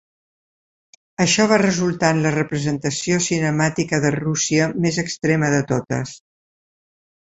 Això va resultar en "la representació cinemàtica de Rússia més extrema de totes".